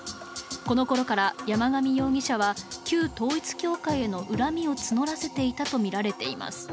この頃から山上容疑者は旧統一教会への恨みを募らせていたとみられています。